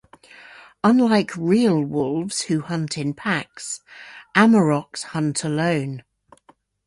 Unlike real wolves who hunt in packs, amaroks hunt alone.